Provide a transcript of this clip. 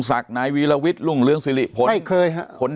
เพราะฉะนั้นประชาธิปไตยเนี่ยคือการยอมรับความเห็นที่แตกต่าง